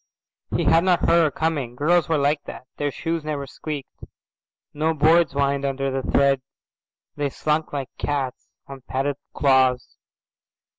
He had not heard her coming. Girls were like that. Their shoes never squeaked. No boards whined under the tread. They slunk like cats on padded claws.